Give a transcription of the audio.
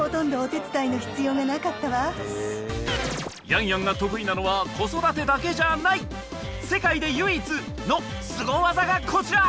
ヤンヤンが得意なのは子育てだけじゃない世界で唯一！？のスゴ技がこちら